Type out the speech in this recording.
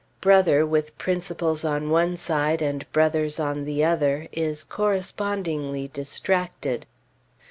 Brother, with principles on one side and brothers on the other, is correspondingly distracted.